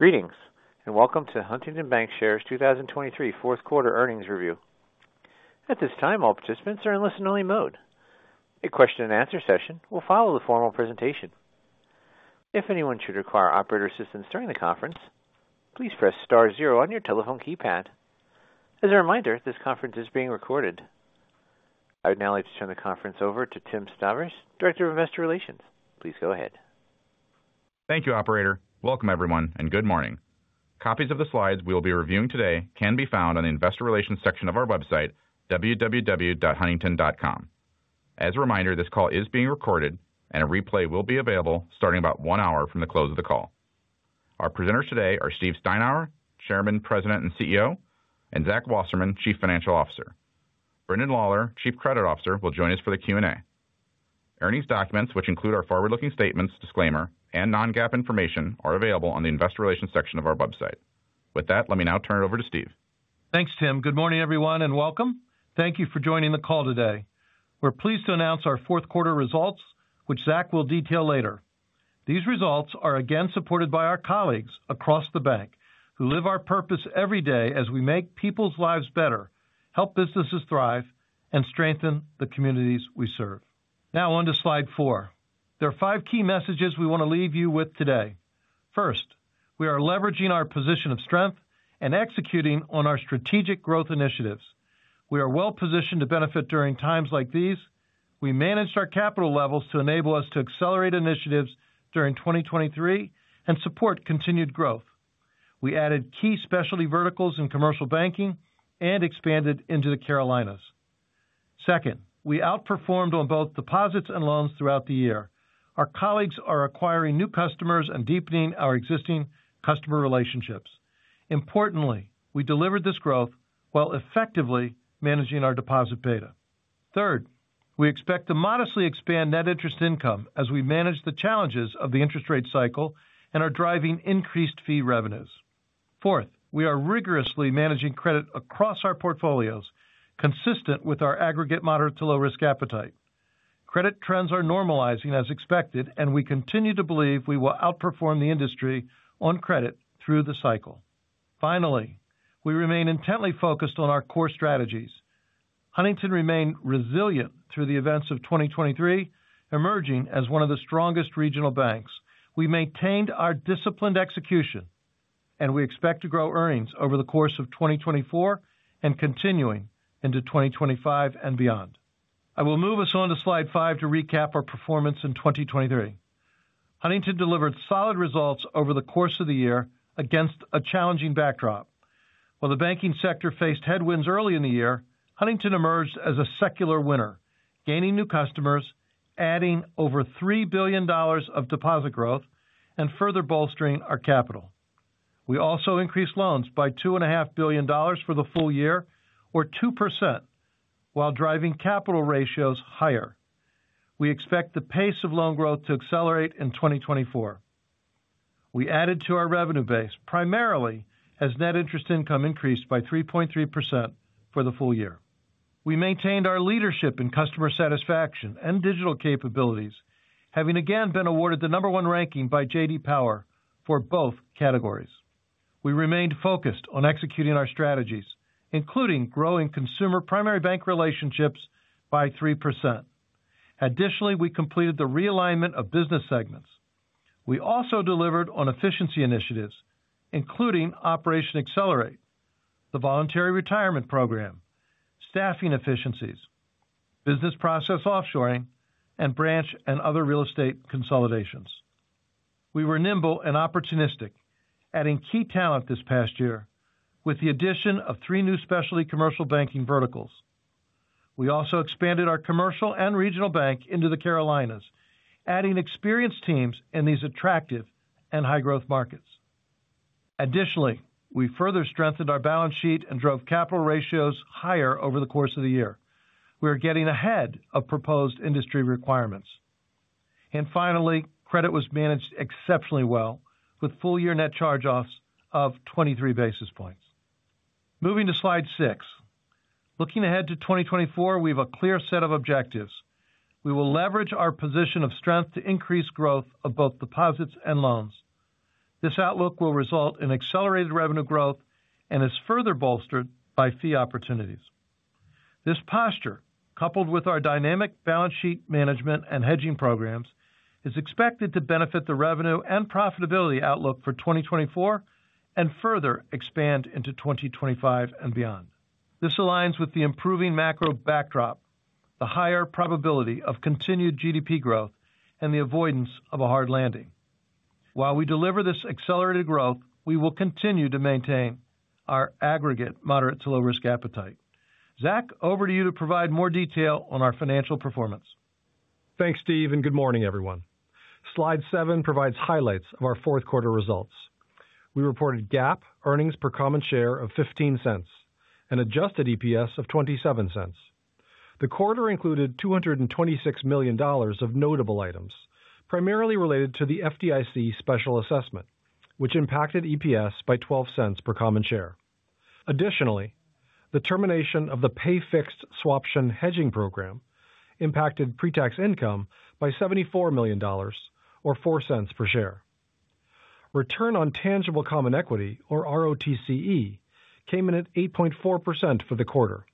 Greetings, and welcome to Huntington Bancshares 2023 Fourth Quarter Earnings Review. At this time, all participants are in listen-only mode. A question and answer session will follow the formal presentation. If anyone should require operator assistance during the conference, please press star zero on your telephone keypad. As a reminder, this conference is being recorded. I'd now like to turn the conference over to Tim Sedabres, Director of Investor Relations. Please go ahead. Thank you, operator. Welcome, everyone, and good morning. Copies of the slides we'll be reviewing today can be found on the investor relations section of our website, www.huntington.com. As a reminder, this call is being recorded, and a replay will be available starting about one hour from the close of the call. Our presenters today are Steve Steinour, Chairman, President, and CEO, and Zach Wasserman, Chief Financial Officer. Brendan Lawlor, Chief Credit Officer, will join us for the Q&A. Earnings documents, which include our forward-looking statements, disclaimer, and non-GAAP information, are available on the investor relations section of our website. With that, let me now turn it over to Steve. Thanks, Tim. Good morning, everyone, and welcome. Thank you for joining the call today. We're pleased to announce our fourth quarter results, which Zach will detail later. These results are again supported by our colleagues across the bank, who live our purpose every day as we make people's lives better, help businesses thrive, and strengthen the communities we serve. Now on to slide four. There are five key messages we want to leave you with today. First, we are leveraging our position of strength and executing on our strategic growth initiatives. We are well positioned to benefit during times like these. We managed our capital levels to enable us to accelerate initiatives during 2023 and support continued growth. We added key specialty verticals in commercial banking and expanded into the Carolinas. Second, we outperformed on both deposits and loans throughout the year. Our colleagues are acquiring new customers and deepening our existing customer relationships. Importantly, we delivered this growth while effectively managing our deposit beta. Third, we expect to modestly expand net interest income as we manage the challenges of the interest rate cycle and are driving increased fee revenues. Fourth, we are rigorously managing credit across our portfolios, consistent with our aggregate moderate to low risk appetite. Credit trends are normalizing as expected, and we continue to believe we will outperform the industry on credit through the cycle. Finally, we remain intently focused on our core strategies. Huntington remained resilient through the events of 2023, emerging as one of the strongest regional banks. We maintained our disciplined execution, and we expect to grow earnings over the course of 2024 and continuing into 2025 and beyond. I will move us on to Slide five to recap our performance in 2023. Huntington delivered solid results over the course of the year against a challenging backdrop. While the banking sector faced headwinds early in the year, Huntington emerged as a secular winner, gaining new customers, adding over $3 billion of deposit growth and further bolstering our capital. We also increased loans by $2.5 billion for the full year, or 2%, while driving capital ratios higher. We expect the pace of loan growth to accelerate in 2024. We added to our revenue base, primarily as net interest income increased by 3.3% for the full year. We maintained our leadership in customer satisfaction and digital capabilities, having again been awarded the number one ranking by J.D. Power for both categories. We remained focused on executing our strategies, including growing consumer primary bank relationships by 3%. Additionally, we completed the realignment of business segments. We also delivered on efficiency initiatives, including Operation Accelerate, the voluntary retirement program, staffing efficiencies, business process offshoring, and branch and other real estate consolidations. We were nimble and opportunistic, adding key talent this past year with the addition of three new specialty commercial banking verticals. We also expanded our commercial and regional bank into the Carolinas, adding experienced teams in these attractive and high-growth markets. Additionally, we further strengthened our balance sheet and drove capital ratios higher over the course of the year. We are getting ahead of proposed industry requirements. And finally, credit was managed exceptionally well, with full-year net charge-offs of 23 basis points. Moving to Slide six. Looking ahead to 2024, we have a clear set of objectives. We will leverage our position of strength to increase growth of both deposits and loans. This outlook will result in accelerated revenue growth and is further bolstered by fee opportunities. This posture, coupled with our dynamic balance sheet management and hedging programs, is expected to benefit the revenue and profitability outlook for 2024 and further expand into 2025 and beyond. This aligns with the improving macro backdrop, the higher probability of continued GDP growth, and the avoidance of a hard landing. While we deliver this accelerated growth, we will continue to maintain our aggregate moderate to low risk appetite. Zach, over to you to provide more detail on our financial performance. Thanks, Steve, and good morning, everyone. Slide seven provides highlights of our fourth quarter results. We reported GAAP earnings per common share of $0.15 and adjusted EPS of $0.27. The quarter included $226 million of notable items, primarily related to the FDIC special assessment, which impacted EPS by $0.12 per common share.... Additionally, the termination of the pay fixed swaption hedging program impacted pre-tax income by $74 million or $0.04 per share. Return on Tangible Common Equity, or ROTCE, came in at 8.4% for the quarter.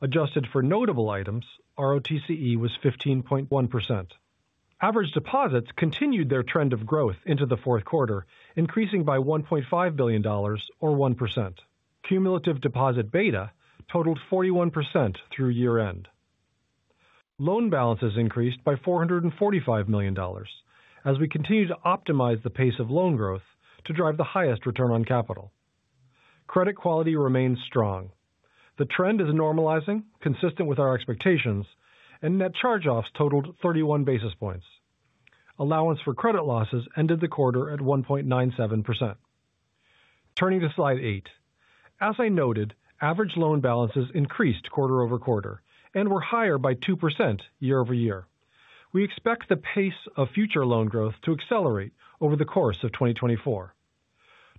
Adjusted for notable items, ROTCE was 15.1%. Average deposits continued their trend of growth into the fourth quarter, increasing by $1.5 billion or 1%. Cumulative deposit beta totaled 41% through year-end. Loan balances increased by $445 million as we continue to optimize the pace of loan growth to drive the highest return on capital. Credit quality remains strong. The trend is normalizing, consistent with our expectations, and net charge-offs totaled 31 basis points. Allowance for credit losses ended the quarter at 1.97%. Turning to slide eight. As I noted, average loan balances increased quarter-over-quarter and were higher by 2% year-over-year. We expect the pace of future loan growth to accelerate over the course of 2024.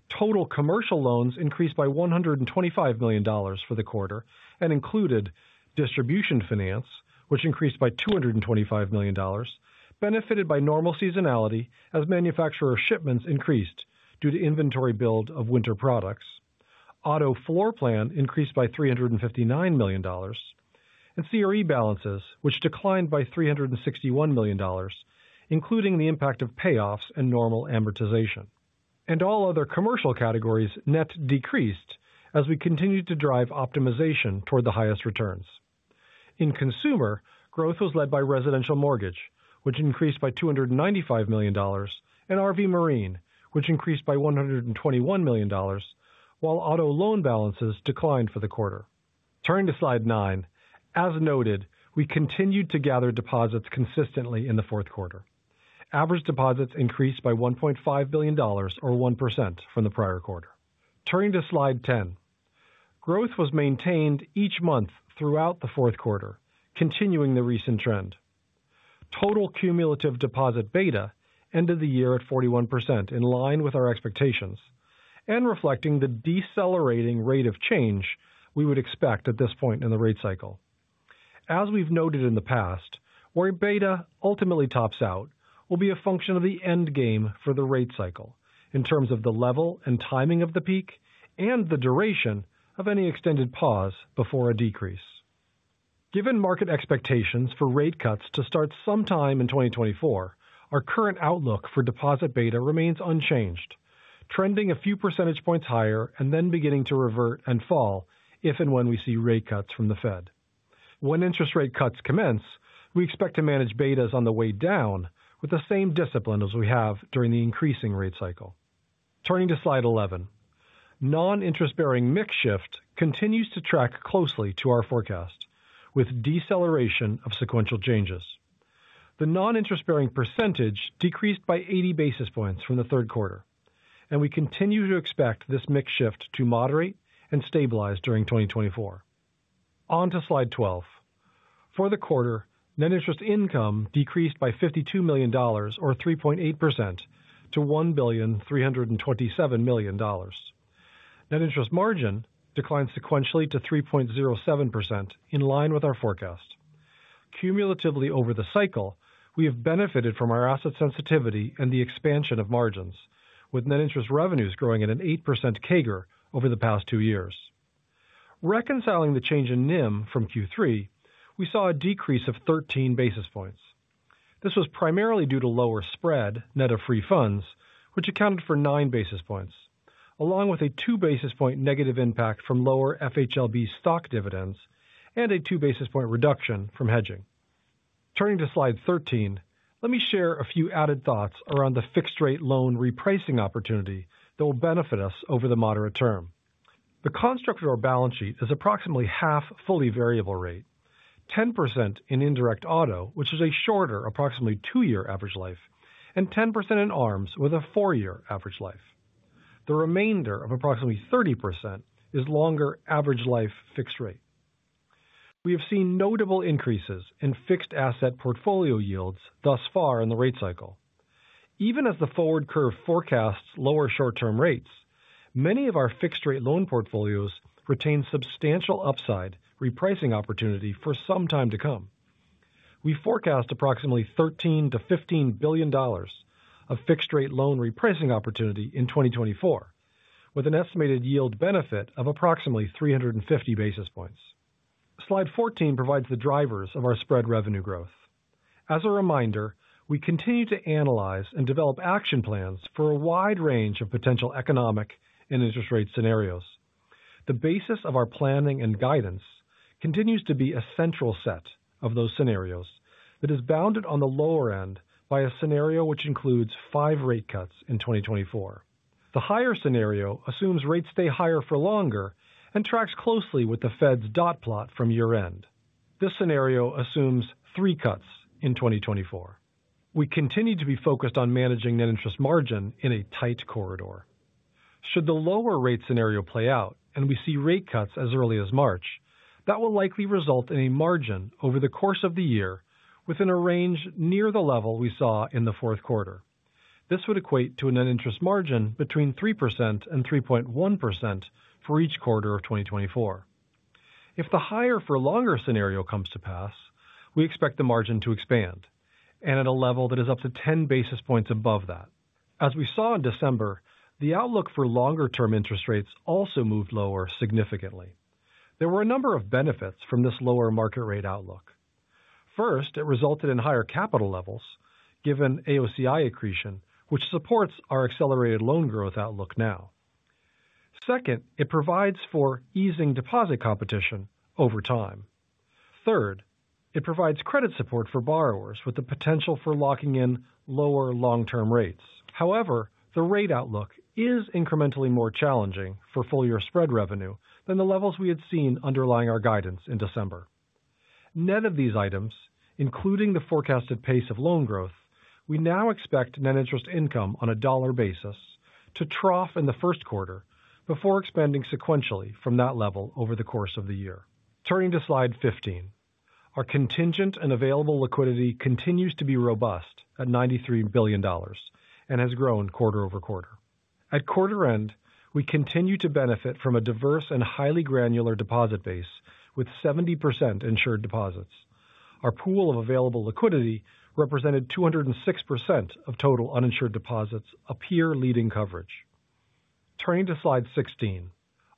Total commercial loans increased by $125 million for the quarter and included distribution finance, which increased by $225 million, benefited by normal seasonality as manufacturer shipments increased due to inventory build of winter products. Auto floor plan increased by $359 million, and CRE balances, which declined by $361 million, including the impact of payoffs and normal amortization. All other commercial categories net decreased as we continued to drive optimization toward the highest returns. In consumer, growth was led by residential mortgage, which increased by $295 million, and RV Marine, which increased by $121 million, while auto loan balances declined for the quarter. Turning to Slide nine. As noted, we continued to gather deposits consistently in the fourth quarter. Average deposits increased by $1.5 billion or 1% from the prior quarter. Turning to Slide 10. Growth was maintained each month throughout the fourth quarter, continuing the recent trend. Total cumulative deposit beta ended the year at 41%, in line with our expectations, and reflecting the decelerating rate of change we would expect at this point in the rate cycle. As we've noted in the past, where beta ultimately tops out will be a function of the end game for the rate cycle in terms of the level and timing of the peak and the duration of any extended pause before a decrease. Given market expectations for rate cuts to start sometime in 2024, our current outlook for deposit beta remains unchanged, trending a few percentage points higher and then beginning to revert and fall if and when we see rate cuts from the Fed. When interest rate cuts commence, we expect to manage betas on the way down with the same discipline as we have during the increasing rate cycle. Turning to Slide 11. Non-interest-bearing mix shift continues to track closely to our forecast, with deceleration of sequential changes. The non-interest bearing percentage decreased by 80 basis points from the third quarter, and we continue to expect this mix shift to moderate and stabilize during 2024. On to Slide 12. For the quarter, net interest income decreased by $52 million or 3.8% to $1.327 billion. Net interest margin declined sequentially to 3.07% in line with our forecast. Cumulatively over the cycle, we have benefited from our asset sensitivity and the expansion of margins, with net interest revenues growing at an 8% CAGR over the past two years. Reconciling the change in NIM from Q3, we saw a decrease of 13 basis points. This was primarily due to lower spread net of free funds, which accounted for nine basis points, along with a two basis point negative impact from lower FHLB stock dividends and a two basis point reduction from hedging. Turning to Slide 13, let me share a few added thoughts around the fixed rate loan repricing opportunity that will benefit us over the moderate term. The construct of our balance sheet is approximately half fully variable rate, 10% in indirect auto, which is a shorter, approximately two-year average life, and 10% in ARMs with a four-year average life. The remainder of approximately 30% is longer average life fixed rate. We have seen notable increases in fixed asset portfolio yields thus far in the rate cycle. Even as the forward curve forecasts lower short-term rates, many of our fixed-rate loan portfolios retain substantial upside repricing opportunity for some time to come. We forecast approximately $13 billion-$15 billion of fixed-rate loan repricing opportunity in 2024, with an estimated yield benefit of approximately 350 basis points. Slide 14 provides the drivers of our spread revenue growth. As a reminder, we continue to analyze and develop action plans for a wide range of potential economic and interest rate scenarios. The basis of our planning and guidance continues to be a central set of those scenarios that is bounded on the lower end by a scenario which includes five rate cuts in 2024. The higher scenario assumes rates stay higher for longer and tracks closely with the Fed's dot plot from year-end. This scenario assumes three cuts in 2024. We continue to be focused on managing net interest margin in a tight corridor. Should the lower rate scenario play out and we see rate cuts as early as March, that will likely result in a margin over the course of the year within a range near the level we saw in the fourth quarter. This would equate to a net interest margin between 3% and 3.1% for each quarter of 2024. If the higher for longer scenario comes to pass, we expect the margin to expand, and at a level that is up to 10 basis points above that. As we saw in December, the outlook for longer-term interest rates also moved lower significantly. There were a number of benefits from this lower market rate outlook. First, it resulted in higher capital levels, given AOCI accretion, which supports our accelerated loan growth outlook now. Second, it provides for easing deposit competition over time. Third, it provides credit support for borrowers with the potential for locking in lower long-term rates. However, the rate outlook is incrementally more challenging for full-year spread revenue than the levels we had seen underlying our guidance in December. Net of these items, including the forecasted pace of loan growth, we now expect net interest income on a dollar basis to trough in the first quarter before expanding sequentially from that level over the course of the year. Turning to Slide 15. Our contingent and available liquidity continues to be robust at $93 billion and has grown quarter-over-quarter. At quarter end, we continue to benefit from a diverse and highly granular deposit base with 70% insured deposits. Our pool of available liquidity represented 206% of total uninsured deposits, a peer leading coverage. Turning to Slide 16.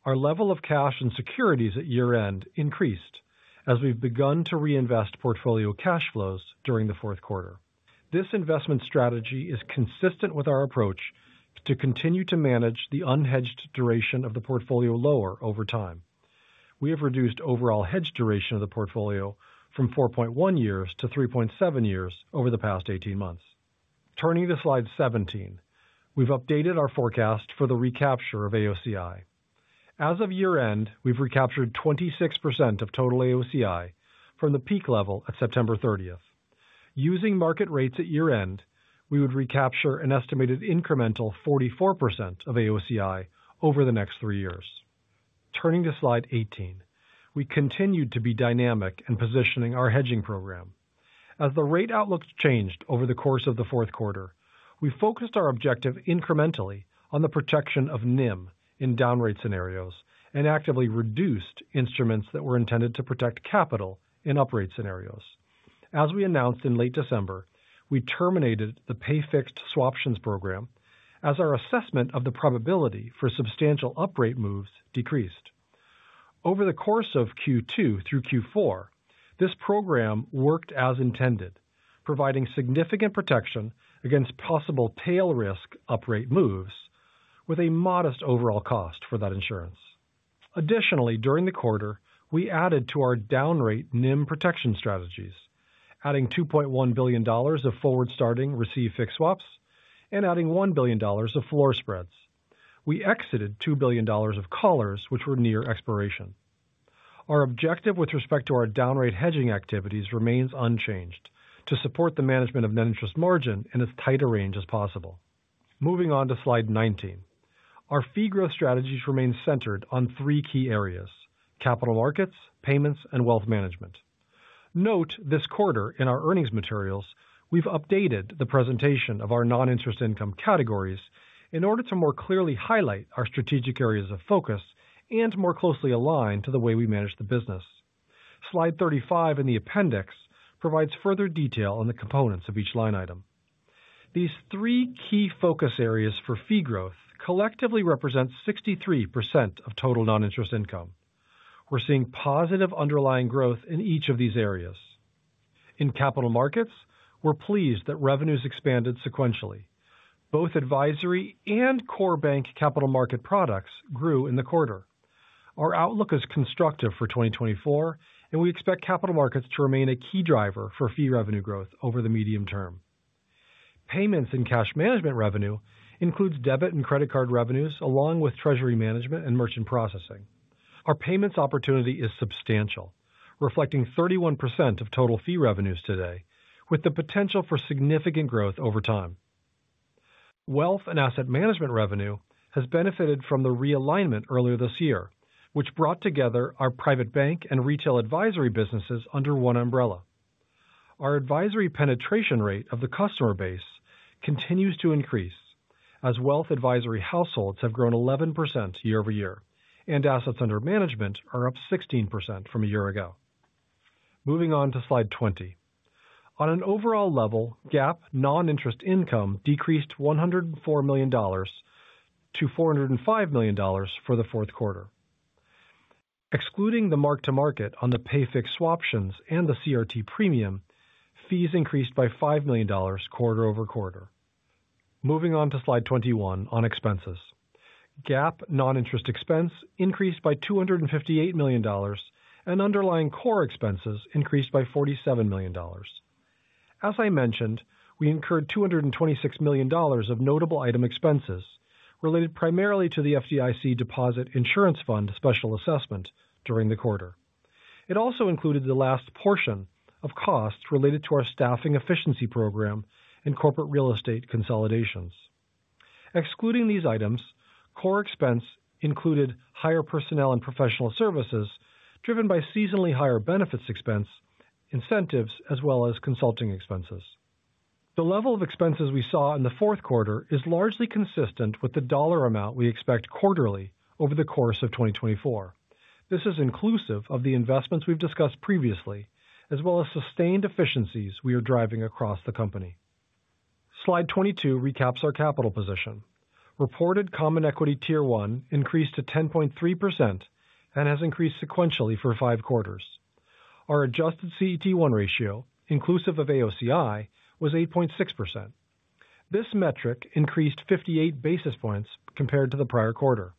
Our level of cash and securities at year-end increased as we've begun to reinvest portfolio cash flows during the fourth quarter. This investment strategy is consistent with our approach to continue to manage the unhedged duration of the portfolio lower over time. We have reduced overall hedge duration of the portfolio from 4.1 years to 3.7 years over the past 18 months. Turning to Slide 17. We've updated our forecast for the recapture of AOCI. As of year-end, we've recaptured 26% of total AOCI from the peak level at September 30. Using market rates at year-end, we would recapture an estimated incremental 44% of AOCI over the next three years. Turning to Slide 18. We continued to be dynamic in positioning our hedging program. As the rate outlooks changed over the course of the fourth quarter, we focused our objective incrementally on the protection of NIM in down rate scenarios and actively reduced instruments that were intended to protect capital in uprate scenarios. As we announced in late December, we terminated the Pay Fixed Swaption program as our assessment of the probability for substantial uprate moves decreased. Over the course of Q2 through Q4, this program worked as intended, providing significant protection against possible tail risk uprate moves with a modest overall cost for that insurance. Additionally, during the quarter, we added to our down rate NIM protection strategies, adding $2.1 billion of Forward-Starting Receive Fixed Swaps and adding $1 billion of floor spreads. We exited $2 billion of Collars, which were near expiration. Our objective with respect to our down rate hedging activities remains unchanged to support the management of net interest margin in as tight a range as possible. Moving on to Slide 19. Our fee growth strategies remain centered on three key areas: capital markets, payments, and wealth management. Note, this quarter in our earnings materials, we've updated the presentation of our non-interest income categories in order to more clearly highlight our strategic areas of focus and more closely align to the way we manage the business. Slide 35 in the appendix provides further detail on the components of each line item. These three key focus areas for fee growth collectively represent 63% of total non-interest income. We're seeing positive underlying growth in each of these areas. In capital markets, we're pleased that revenues expanded sequentially. Both advisory and core bank capital market products grew in the quarter. Our outlook is constructive for 2024, and we expect capital markets to remain a key driver for fee revenue growth over the medium term. Payments and cash management revenue includes debit and credit card revenues, along with treasury management and merchant processing. Our payments opportunity is substantial, reflecting 31% of total fee revenues today, with the potential for significant growth over time. Wealth and asset management revenue has benefited from the realignment earlier this year, which brought together our private bank and retail advisory businesses under one umbrella. Our advisory penetration rate of the customer base continues to increase as wealth advisory households have grown 11% year-over-year, and assets under management are up 16% from a year ago. Moving on to Slide 20. On an overall level, GAAP non-interest income decreased $104 million to $405 million for the fourth quarter. Excluding the mark to market on the pay fixed swaptions and the CRT Premium, fees increased by $5 million quarter-over-quarter. Moving on to Slide 21 on expenses. GAAP non-interest expense increased by $258 million, and underlying core expenses increased by $47 million. As I mentioned, we incurred $226 million of notable item expenses related primarily to the FDIC Deposit Insurance Fund special assessment during the quarter. It also included the last portion of costs related to our staffing efficiency program and corporate real estate consolidations... excluding these items, core expense included higher personnel and professional services, driven by seasonally higher benefits expense, incentives, as well as consulting expenses. The level of expenses we saw in the fourth quarter is largely consistent with the dollar amount we expect quarterly over the course of 2024. This is inclusive of the investments we've discussed previously, as well as sustained efficiencies we are driving across the company. Slide 22 recaps our capital position. Reported Common Equity Tier 1 increased to 10.3% and has increased sequentially for five quarters. Our adjusted CET1 ratio, inclusive of AOCI, was 8.6%. This metric increased 58 basis points compared to the prior quarter,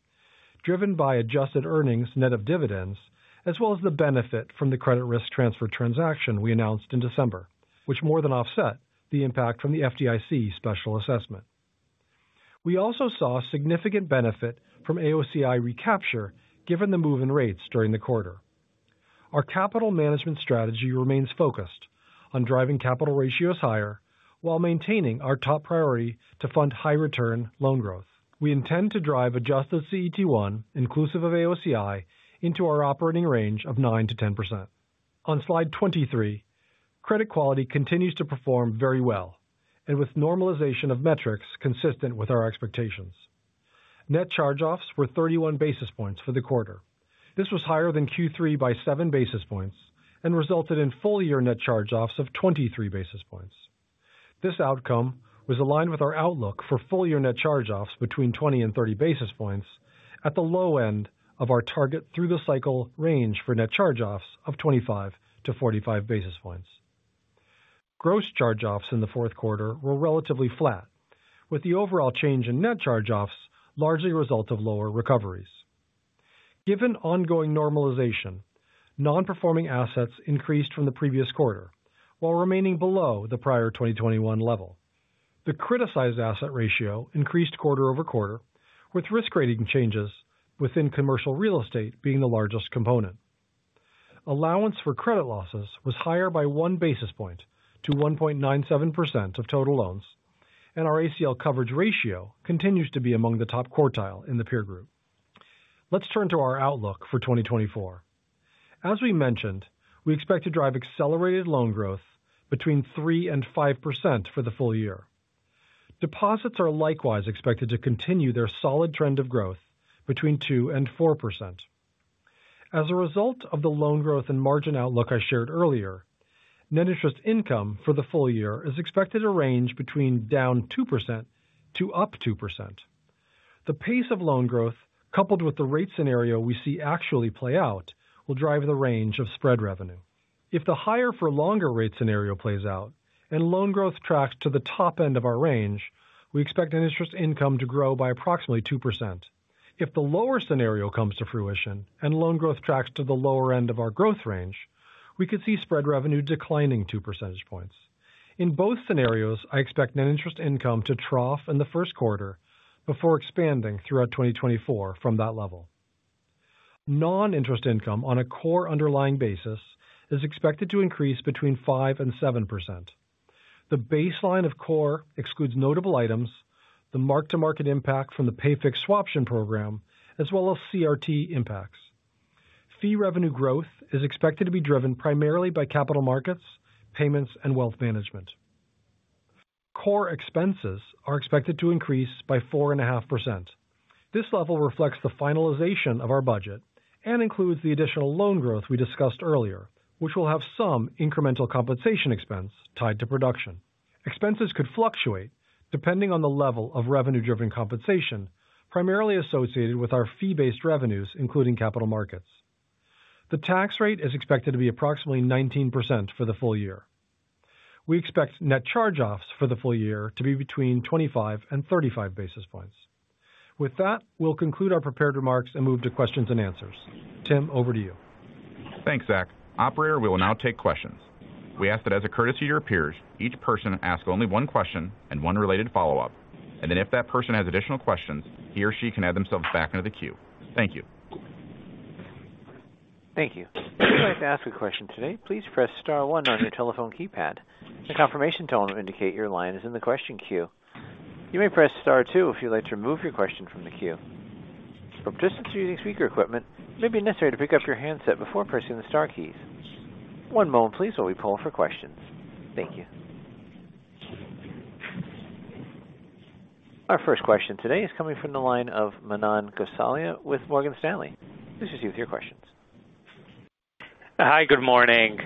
driven by adjusted earnings net of dividends, as well as the benefit from the credit risk transfer transaction we announced in December, which more than offset the impact from the FDIC special assessment. We also saw a significant benefit from AOCI recapture, given the move in rates during the quarter. Our capital management strategy remains focused on driving capital ratios higher while maintaining our top priority to fund high return loan growth. We intend to drive adjusted CET1 inclusive of AOCI into our operating range of 9%-10%. On Slide 23, credit quality continues to perform very well and with normalization of metrics consistent with our expectations. Net charge-offs were 31 basis points for the quarter. This was higher than Q3 by seven basis points and resulted in full-year net charge-offs of 23 basis points. This outcome was aligned with our outlook for full-year net charge-offs between 20 and 30 basis points at the low end of our target through the cycle range for net charge-offs of 25-45 basis points. Gross charge-offs in the fourth quarter were relatively flat, with the overall change in net charge-offs largely a result of lower recoveries. Given ongoing normalization, non-performing assets increased from the previous quarter, while remaining below the prior 2021 level. The criticized asset ratio increased quarter-over-quarter, with risk rating changes within commercial real estate being the largest component. Allowance for credit losses was higher by one basis point to 1.97% of total loans, and our ACL Coverage Ratio continues to be among the top quartile in the peer group. Let's turn to our outlook for 2024. As we mentioned, we expect to drive accelerated loan growth between 3% and 5% for the full year. Deposits are likewise expected to continue their solid trend of growth between 2% and 4%. As a result of the loan growth and margin outlook I shared earlier, net interest income for the full year is expected to range between -2% to +2%. The pace of loan growth, coupled with the rate scenario we see actually play out, will drive the range of spread revenue. If the higher for longer rate scenario plays out and loan growth tracks to the top end of our range, we expect net interest income to grow by approximately 2%. If the lower scenario comes to fruition and loan growth tracks to the lower end of our growth range, we could see spread revenue declining two percentage points. In both scenarios, I expect net interest income to trough in the first quarter before expanding throughout 2024 from that level. Non-interest income on a core underlying basis is expected to increase between 5% and 7%. The baseline of core excludes notable items, the mark-to-market impact from the pay fixed swap option program, as well as CRT impacts. Fee revenue growth is expected to be driven primarily by capital markets, payments, and wealth management. Core expenses are expected to increase by 4.5%. This level reflects the finalization of our budget and includes the additional loan growth we discussed earlier, which will have some incremental compensation expense tied to production. Expenses could fluctuate depending on the level of revenue-driven compensation, primarily associated with our fee-based revenues, including capital markets. The tax rate is expected to be approximately 19% for the full year. We expect net charge-offs for the full year to be between 25 and 35 basis points. With that, we'll conclude our prepared remarks and move to questions and answers. Tim, over to you. Thanks, Zach. Operator, we will now take questions. We ask that as a courtesy to your peers, each person ask only one question and one related follow-up, and then if that person has additional questions, he or she can add themselves back into the queue. Thank you. Thank you. If you'd like to ask a question today, please press star one on your telephone keypad. A confirmation tone will indicate your line is in the question queue. You may press star two if you'd like to remove your question from the queue. For participants using speaker equipment, it may be necessary to pick up your handset before pressing the star keys. One moment please, while we poll for questions. Thank you. Our first question today is coming from the line of Manan Gosalia with Morgan Stanley. This is you with your questions. Hi, good morning.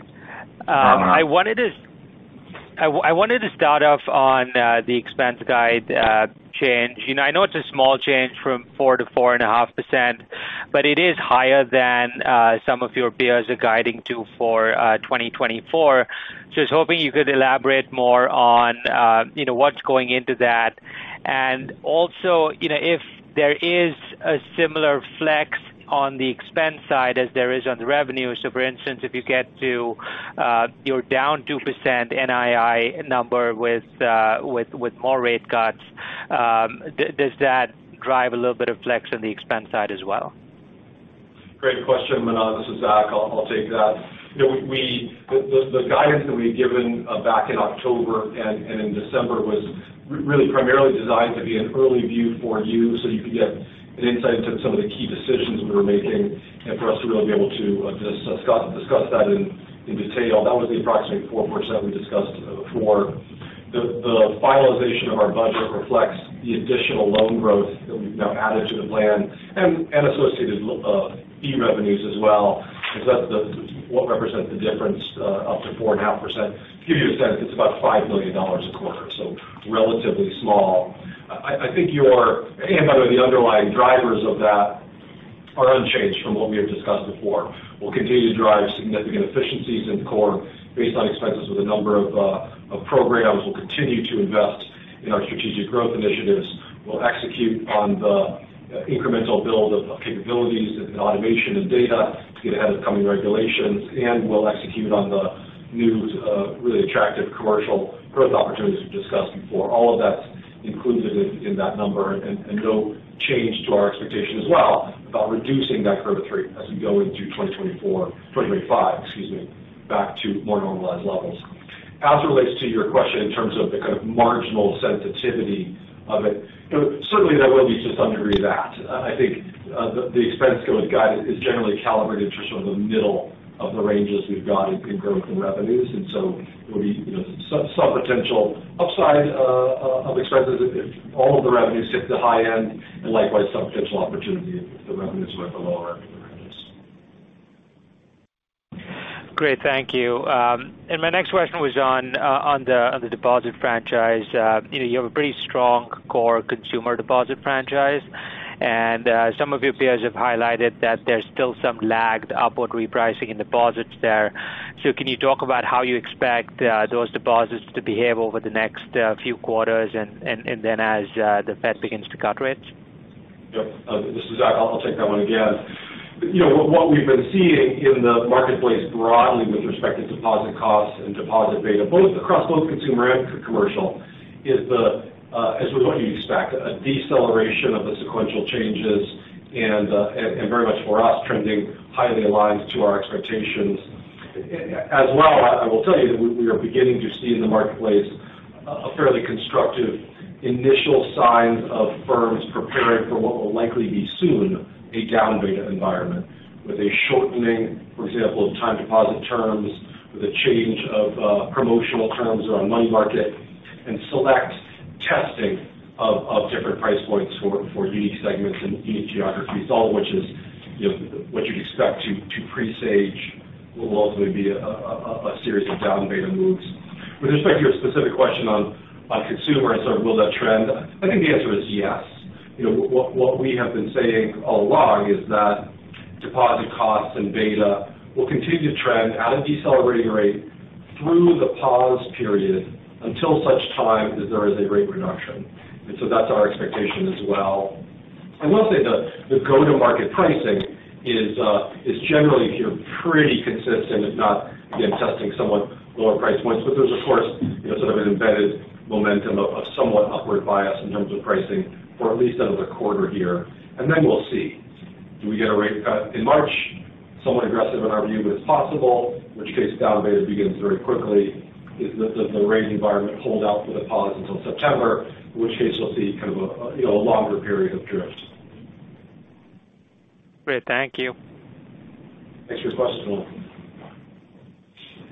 I wanted to start off on the expense guide change. You know, I know it's a small change from 4 to 4.5%, but it is higher than some of your peers are guiding to for 2024. So I was hoping you could elaborate more on, you know, what's going into that. And also, you know, if there is a similar flex on the expense side as there is on the revenue. So for instance, if you get to your down 2% NII number with more rate cuts, does that drive a little bit of flex on the expense side as well?... Great question, Manan. This is Zach, I'll take that. You know, we, the guidance that we had given back in October and in December was really primarily designed to be an early view for you, so you could get an insight into some of the key decisions we were making and for us to really be able to discuss that in detail. That was the approximate 4.7 we discussed before. The finalization of our budget reflects the additional loan growth that we've now added to the plan and associated fee revenues as well, because that's what represents the difference up to 4.5%. To give you a sense, it's about $5 million a quarter, so relatively small. I, I think your—and by the way, the underlying drivers of that are unchanged from what we have discussed before. We'll continue to drive significant efficiencies in core based on expenses with a number of of programs. We'll continue to invest in our strategic growth initiatives. We'll execute on the incremental build of capabilities and automation and data to get ahead of coming regulations, and we'll execute on the new really attractive commercial growth opportunities we've discussed before. All of that's included in in that number, and and no change to our expectation as well about reducing that curve of three as we go into 2024—2025, excuse me, back to more normalized levels. As it relates to your question in terms of the kind of marginal sensitivity of it, you know, certainly that will be to some degree that. I think, the expense going guide is generally calibrated to sort of the middle of the ranges we've got in growth and revenues. And so there'll be, you know, some potential upside of expenses if all of the revenues hit the high end, and likewise, some potential opportunity if the revenues are at the lower end of the ranges. Great, thank you. And my next question was on the deposit franchise. You know, you have a pretty strong core consumer deposit franchise, and some of your peers have highlighted that there's still some lagged upward repricing in deposits there. So can you talk about how you expect those deposits to behave over the next few quarters and then as the Fed begins to cut rates? Yep. This is Zach. I'll take that one again. You know, what we've been seeing in the marketplace broadly with respect to deposit costs and deposit beta, both across both consumer and commercial, is the, is what you expect, a deceleration of the sequential changes and, and very much for us, trending highly aligned to our expectations. As well, I will tell you that we are beginning to see in the marketplace a fairly constructive initial signs of firms preparing for what will likely be soon a down beta environment, with a shortening, for example, time deposit terms, with a change of promotional terms around money market, and select testing of different price points for unique segments and unique geographies, all which is, you know, what you'd expect to presage what will ultimately be a series of down beta moves. With respect to your specific question on consumer and sort of will that trend, I think the answer is yes. You know, what we have been saying all along is that deposit costs and beta will continue to trend at a decelerating rate through the pause period until such time that there is a rate reduction. That's our expectation as well. I will say the go-to-market pricing is generally here, pretty consistent, if not, again, testing somewhat lower price points. But there's, of course, you know, sort of an embedded momentum of somewhat upward bias in terms of pricing for at least another quarter here. Then we'll see. Do we get a rate cut in March? Somewhat aggressive in our view, but it's possible, in which case, down beta begins very quickly. If the rate environment holds out for the pause until September, in which case we'll see kind of a, you know, a longer period of drift. Great, thank you. Thanks for your question.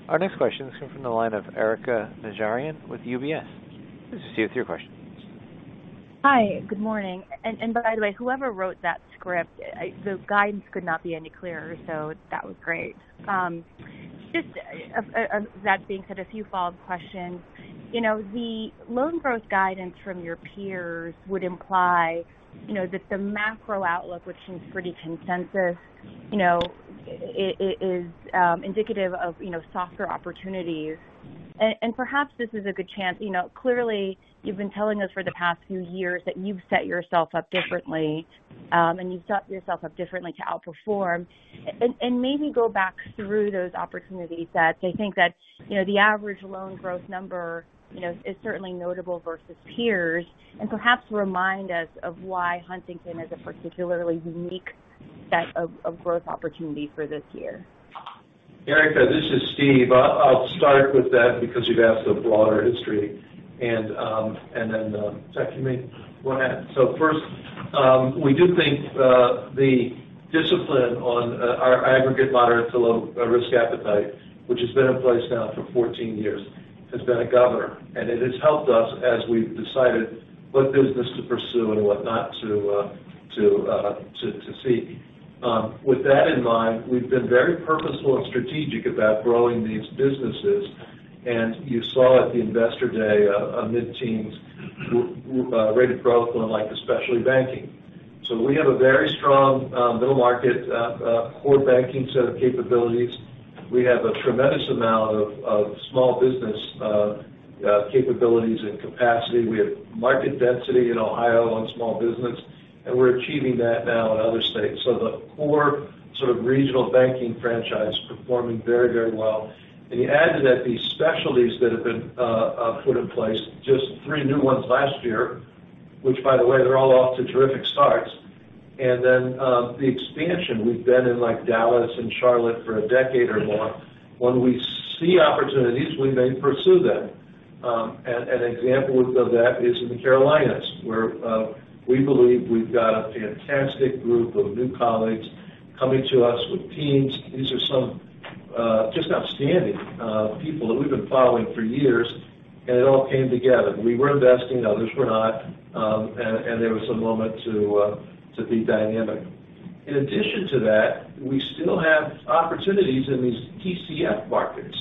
Our next question is coming from the line of Erika Najarian with UBS. Erika, your question. Hi, good morning. By the way, whoever wrote that script, the guidance could not be any clearer, so that was great. Just that being said, a few follow-up questions. You know, the loan growth guidance from your peers would imply, you know, that the macro outlook, which seems pretty consensus, you know, it is indicative of, you know, softer opportunities. And perhaps this is a good chance, you know, clearly you've been telling us for the past few years that you've set yourself up differently, and you've set yourself up differently to outperform. And maybe go back through those opportunities that I think that, you know, the average loan growth number, you know, is certainly notable versus peers. And perhaps remind us of why Huntington is a particularly unique set of growth opportunity for this year. Eria, this is Steve. I'll start with that because you've asked a broader history. And then, Zach, you may go ahead. So first, we do think the discipline on our aggregate moderate to low risk appetite, which has been in place now for 14 years, has been a governor, and it has helped us as we've decided what business to pursue and what not to seek. With that in mind, we've been very purposeful and strategic about growing these businesses, and you saw at the Investor Day a mid-teens growth rate on, like, the specialty banking. So we have a very strong middle market core banking set of capabilities. We have a tremendous amount of small business capabilities and capacity. We have market density in Ohio on small business, and we're achieving that now in other states. The core sort of regional banking franchise is performing very, very well. You add to that these specialties that have been put in place, just three new ones last year.... which, by the way, they're all off to terrific starts. And then, the expansion, we've been in, like, Dallas and Charlotte for a decade or more. When we see opportunities, we may pursue them. And an example of that is in the Carolinas, where we believe we've got a fantastic group of new colleagues coming to us with teams. These are some just outstanding people that we've been following for years, and it all came together. We were investing, others were not, and there was a moment to be dynamic. In addition to that, we still have opportunities in these TCF markets.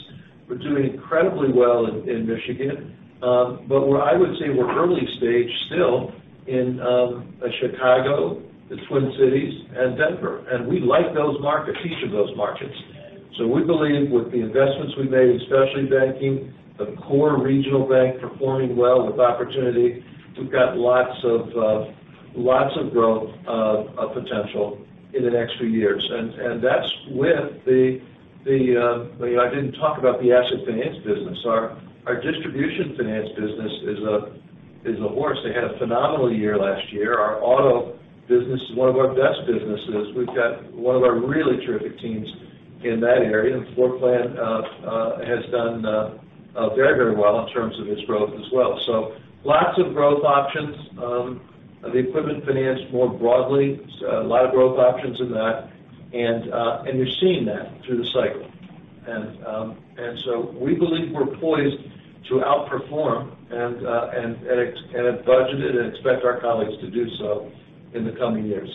We're doing incredibly well in Michigan. But where I would say we're early stage still in Chicago, the Twin Cities, and Denver. And we like those markets, each of those markets. So we believe with the investments we've made in specialty banking, the core regional bank performing well with opportunity, we've got lots of lots of growth potential in the next few years. And that's with the you know, I didn't talk about the asset finance business. Our distribution finance business is a horse. They had a phenomenal year last year. Our auto business is one of our best businesses. We've got one of our really terrific teams in that area, and Floorplan has done very, very well in terms of its growth as well. So lots of growth options. The equipment finance more broadly, a lot of growth options in that. And you're seeing that through the cycle. And so we believe we're poised to outperform and have budgeted and expect our colleagues to do so in the coming years.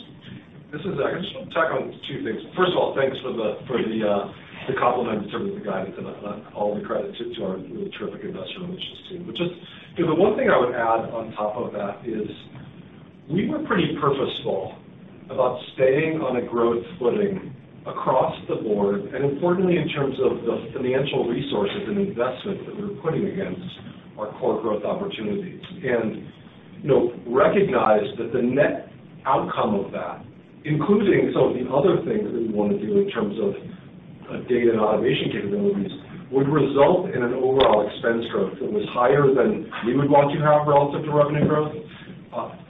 This is Zach. I just want to tack on two things. First of all, thanks for the compliment in terms of the guidance, and I give all the credit to our really terrific investor relations team. But just, you know, the one thing I would add on top of that is we were pretty purposeful about staying on a growth footing across the board, and importantly, in terms of the financial resources and investments that we're putting against our core growth opportunities. And, you know, recognize that the net outcome of that, including some of the other things that we want to do in terms of data and automation capabilities, would result in an overall expense growth that was higher than we would want to have relative to revenue growth,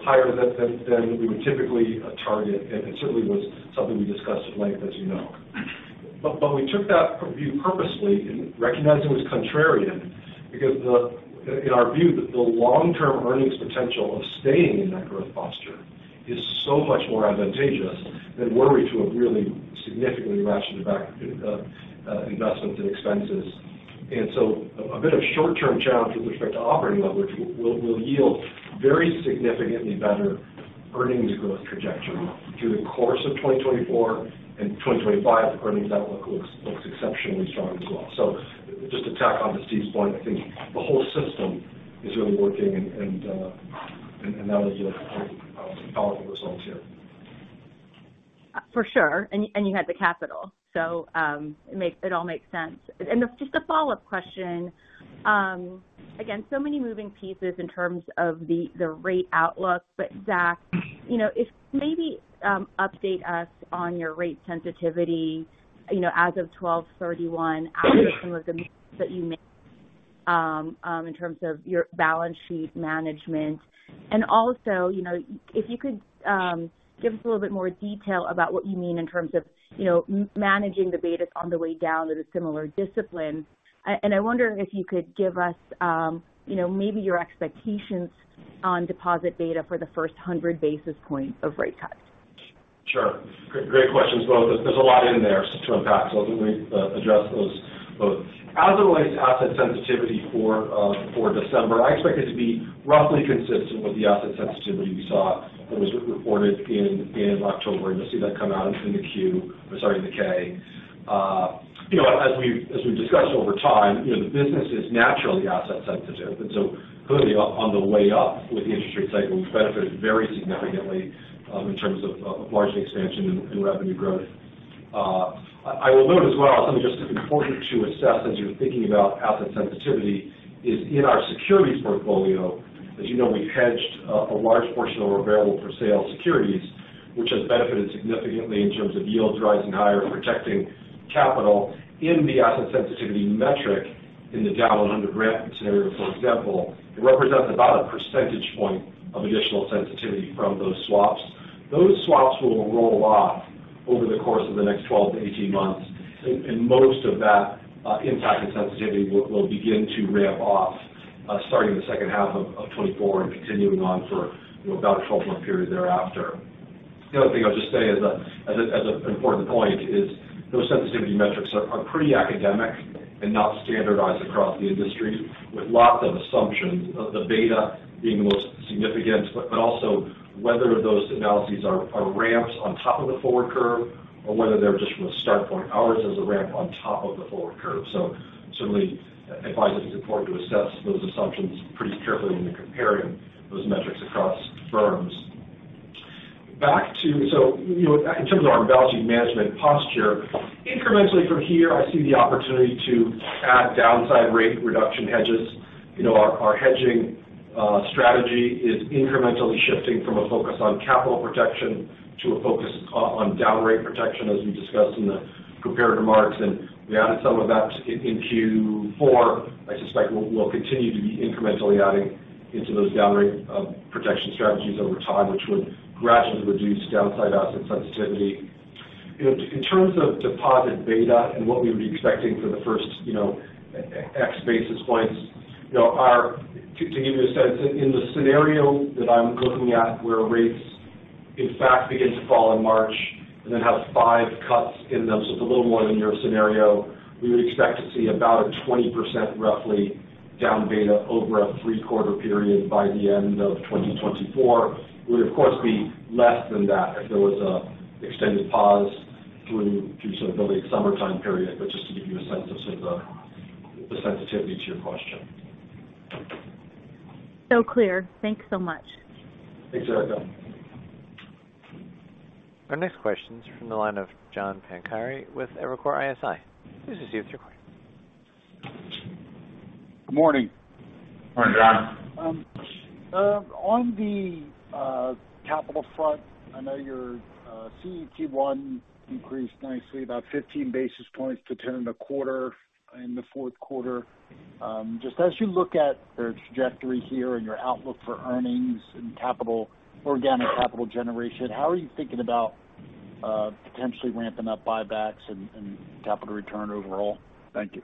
higher than we would typically target. And it certainly was something we discussed at length, as you know. But we took that view purposely and recognizing it was contrarian, because the in our view, the long-term earnings potential of staying in that growth posture is so much more advantageous than were we to have really significantly ratcheted back, investments and expenses. And so a bit of short-term challenge with respect to operating leverage will yield very significantly better earnings growth trajectory through the course of 2024. And 2025, the earnings outlook looks exceptionally strong as well. So just to tack on to Steve's point, I think the whole system is really working and that'll yield powerful results here. For sure. And you had the capital, so it all makes sense. And just a follow-up question. Again, so many moving pieces in terms of the rate outlook. But Zach, you know, if maybe update us on your rate sensitivity, you know, as of 12/31, after some of the moves that you made in terms of your balance sheet management. And also, you know, if you could give us a little bit more detail about what you mean in terms of managing the betas on the way down at a similar discipline. And I wonder if you could give us, you know, maybe your expectations on deposit beta for the first 100 basis points of rate cuts. Sure. Great, great questions, both. There's a lot in there to unpack, so let me address those both. As it relates to asset sensitivity for December, I expect it to be roughly consistent with the asset sensitivity we saw that was reported in October, and you'll see that come out in the Q, or sorry, in the K. You know, as we've discussed over time, you know, the business is naturally asset sensitive, and so clearly on the way up with the interest rate cycle, we've benefited very significantly in terms of margin expansion and revenue growth. I will note as well, something just as important to assess as you're thinking about asset sensitivity is in our securities portfolio. As you know, we've hedged a large portion of our available for sale securities, which has benefited significantly in terms of yields rising higher, protecting capital in the asset sensitivity metric. In the down 100 bps scenario, for example, it represents about a percentage point of additional sensitivity from those swaps. Those swaps will roll off over the course of the next 12-18 months, and most of that impact and sensitivity will begin to ramp off starting in the second half of 2024 and continuing on for, you know, about a 12-month period thereafter. The other thing I'll just say as an important point is those sensitivity metrics are pretty academic and not standardized across the industry, with lots of assumptions of the beta being the most significant, but also whether those analyses are ramps on top of the forward curve or whether they're just from a start point. Ours is a ramp on top of the forward curve, so certainly advise that it's important to assess those assumptions pretty carefully when you're comparing those metrics across firms. Back to. So, you know, in terms of our balancing management posture, incrementally from here, I see the opportunity to add downside rate reduction hedges. You know, our hedging strategy is incrementally shifting from a focus on capital protection to a focus on down rate protection, as we discussed in the prepared remarks, and we added some of that in Q4. I suspect we'll continue to be incrementally adding into those down rate protection strategies over time, which would gradually reduce downside asset sensitivity. You know, in terms of deposit beta and what we would be expecting for the first, you know, x basis points, you know, to give you a sense, in the scenario that I'm looking at, where rates, in fact, begin to fall in March and then have five cuts in them, so it's a little more than your scenario, we would expect to see about a 20% roughly down beta over a three-quarter period by the end of 2024. It would, of course, be less than that if there was an extended pause through to sort of the summertime period, but just to give you a sense of sort of the sensitivity to your question. So clear. Thanks so much. Thanks, Erica. Our next question is from the line of John Pancari with Evercore ISI. This is you. It's recording. Good morning. Morning, John. On the capital front, I know your CET1 increased nicely, about 15 basis points to 10.25 in the fourth quarter. Just as you look at your trajectory here and your outlook for earnings and capital organic capital generation, how are you thinking about potentially ramping up buybacks and capital return overall? Thank you.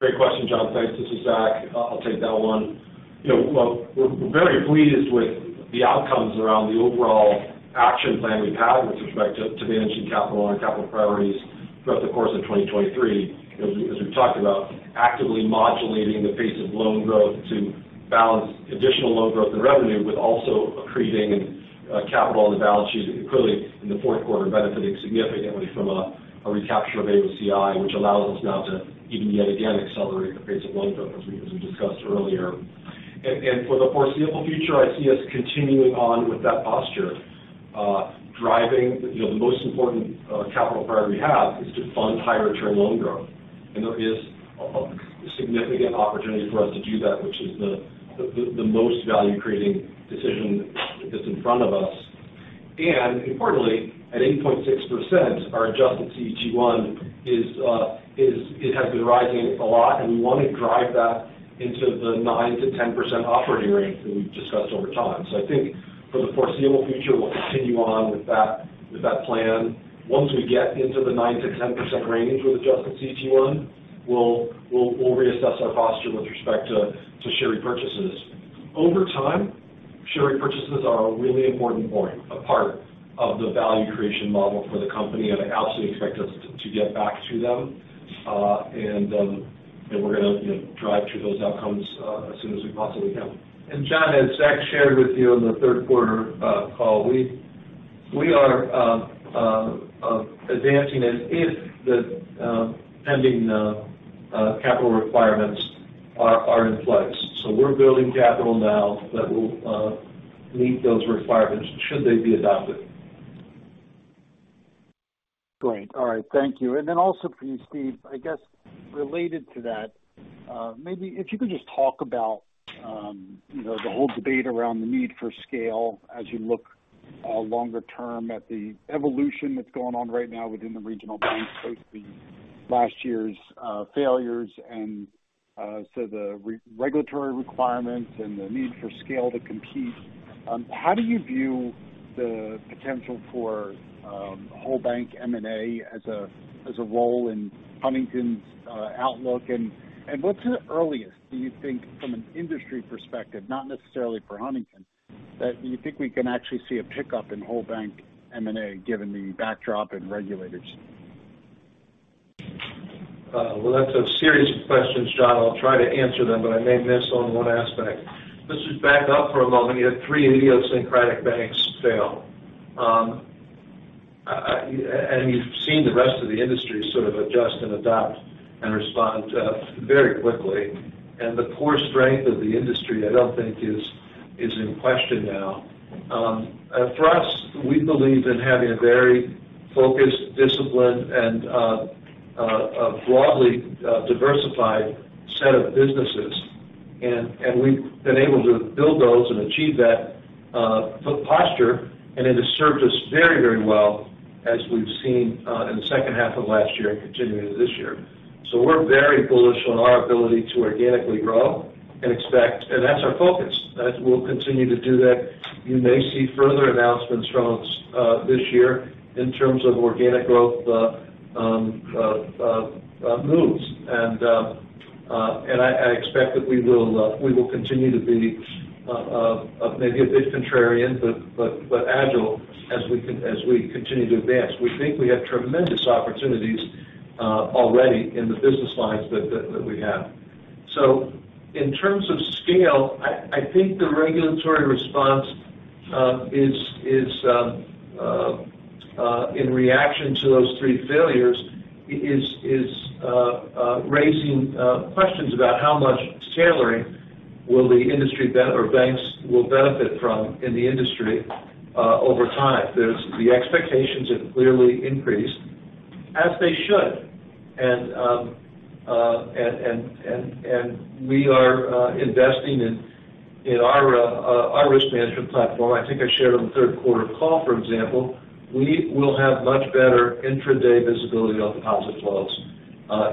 Great question, John. Thanks. This is Zach. I'll take that one. You know, well, we're very pleased with the outcomes around the overall action plan we've had with respect to managing capital and our capital priorities throughout the course of 2023. As we've talked about, actively modulating the pace of loan growth to balance additional loan growth and revenue, but also accreting capital on the balance sheet, clearly in the fourth quarter, benefiting significantly from a recapture of AOCI, which allows us now to even yet again accelerate the pace of loan growth, as we discussed earlier. And for the foreseeable future, I see us continuing on with that posture, driving... You know, the most important capital priority we have is to fund higher tier loan growth, and there is a significant opportunity for us to do that, which is the most value-creating decision that's in front of us. And importantly, at 8.6%, our adjusted CET1 is -- it has been rising a lot, and we want to drive that into the 9%-10% operating range that we've discussed over time. So I think for the foreseeable future, we'll continue on with that, with that plan. Once we get into the 9%-10% range with adjusted CET1, we'll reassess our posture with respect to share repurchases. Over time, share repurchases are a really important point, a part of the value creation model for the company, and I absolutely expect us to get back to them. And we're going to, you know, drive to those outcomes as soon as we possibly can. And John, as Zach shared with you in the third quarter call, we are advancing as if the pending capital requirements are in place. So we're building capital now that will meet those requirements should they be adopted. Great. All right. Thank you. And then also for you, Steve, I guess related to that, maybe if you could just talk about, you know, the whole debate around the need for scale as you look longer term at the evolution that's going on right now within the regional banks, post the last year's failures and so the regulatory requirements and the need for scale to compete. How do you view the potential for whole bank M&A as a role in Huntington's outlook? And what's the earliest, do you think, from an industry perspective, not necessarily for Huntington, that you think we can actually see a pickup in whole bank M&A, given the backdrop and regulators? Well, that's a series of questions, John. I'll try to answer them, but I may miss on one aspect. Let's just back up for a moment. You had three idiosyncratic banks fail. And you've seen the rest of the industry sort of adjust and adapt and respond very quickly. And the core strength of the industry, I don't think is, is in question now. For us, we believe in having a very focused, disciplined, and a broadly diversified set of businesses. And we've been able to build those and achieve that posture, and it has served us very, very well as we've seen in the second half of last year and continuing this year. So we're very bullish on our ability to organically grow and expect—and that's our focus. As we'll continue to do that, you may see further announcements from us this year in terms of organic growth moves. I expect that we will continue to be maybe a bit contrarian, but agile as we can as we continue to advance. We think we have tremendous opportunities already in the business lines that we have. So in terms of scale, I think the regulatory response is in reaction to those three failures, raising questions about how much tailoring will the industry benefit, or banks will benefit from in the industry over time. There is the expectations have clearly increased, as they should. We are investing in our risk management platform. I think I shared on the third quarter call, for example, we will have much better intraday visibility on deposit flows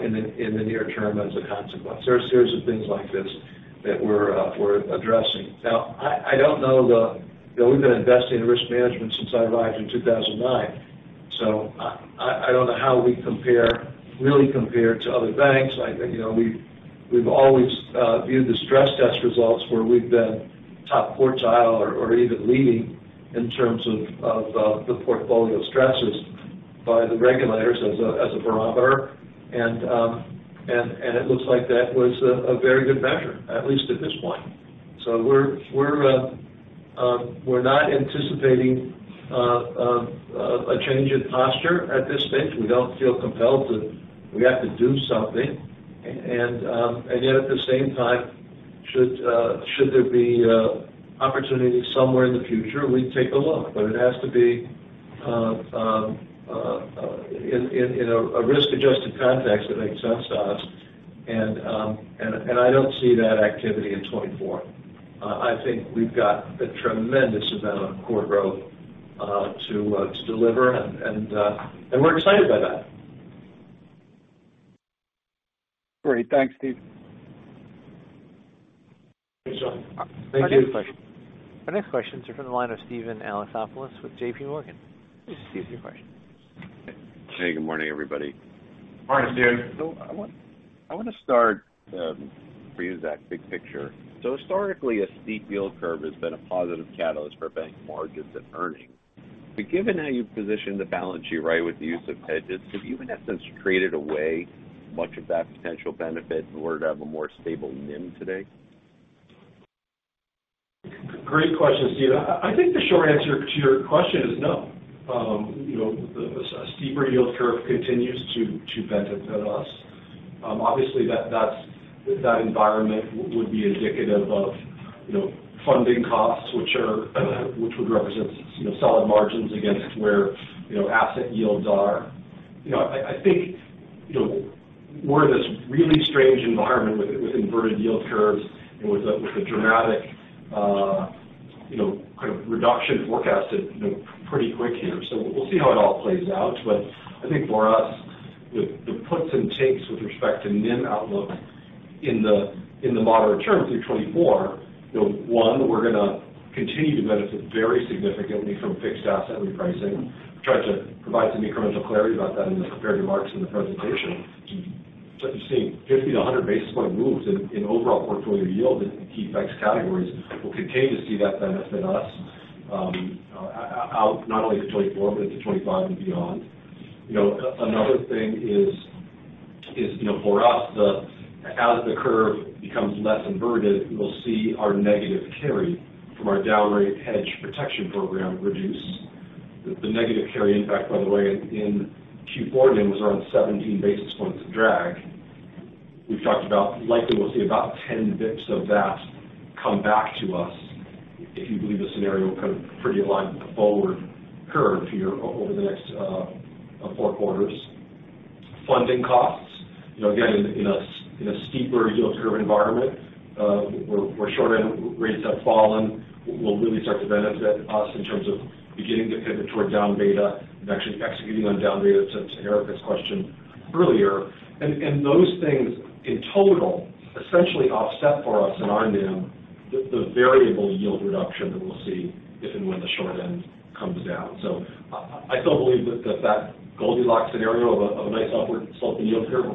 in the near term as a consequence. There are a series of things like this that we're addressing. Now, I don't know. We've been investing in risk management since I arrived in 2009, so I don't know how we compare, really compare to other banks. You know, we've always viewed the stress test results where we've been top quartile or even leading in terms of the portfolio stresses by the regulators as a barometer. It looks like that was a very good measure, at least at this point. So we're not anticipating a change in posture at this stage. We don't feel compelled to... we have to do something. And yet, at the same time, should there be opportunity somewhere in the future, we'd take a look. But it has to be in a risk-adjusted context that makes sense to us. And I don't see that activity in 2024. I think we've got a tremendous amount of core growth to deliver, and we're excited by that. Great. Thanks, Steve. Thanks, John. Thank you. Our next question is from the line of Steven Alexopoulos with JP Morgan. Steven, your question. Hey, good morning, everybody. Morning, Steve. I want, I want to start, for you, Zach, big picture. So historically, a steep yield curve has been a positive catalyst for bank margins and earnings. But given how you've positioned the balance sheet, right, with the use of hedges, have you in essence traded away much of that potential benefit in order to have a more stable NIM today? Great question, Steve. I, I think the short answer to your question is no. You know, the, a steeper yield curve continues to, to benefit us. Obviously, that- that's, that environment would be indicative of, you know, funding costs, which are, which would represent solid margins against where, you know, asset yields are. You know, I, I think, you know, we're in this really strange environment with, with inverted yield curves and with a, with a dramatic, you know, kind of reduction forecasted, you know, pretty quick here. So we'll see how it all plays out. But I think for us, the, the puts and takes with respect to NIM outlook in the, in the moderate term through 2024, you know, one, we're going to continue to benefit very significantly from fixed asset repricing. I tried to provide some incremental clarity about that in the prepared remarks in the presentation. But you're seeing 50-100 basis point moves in overall portfolio yield in key FX categories. We'll continue to see that benefit us out not only to 2024, but into 2025 and beyond. You know, another thing is, you know, for us, as the curve becomes less inverted, we'll see our negative carry from our down rate hedge protection program reduce. The negative carry impact, by the way, in Q4 was around 17 basis points of drag. We've talked about likely, we'll see about 10 bits of that come back to us if you believe the scenario kind of pretty aligned with the forward curve here over the next four quarters. Funding costs, you know, again, in a steeper yield curve environment, where short-end rates have fallen, will really start to benefit us in terms of beginning to pivot toward down beta and actually executing on down beta, to Erika's question earlier. And those things in total, essentially offset for us in our NIM, the variable yield reduction that we'll see if and when the short end comes down. So I still believe that Goldilocks scenario of a nice upward sloping yield curve,